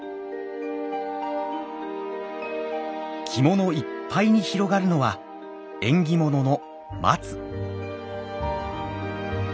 着物いっぱいに広がるのは縁起物の「松」。